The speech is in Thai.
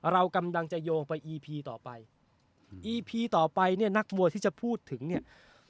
เรากำลังจะโยงไปอีพีต่อไปอีพีต่อไปเนี่ยนักมวยที่จะพูดถึงเนี่ย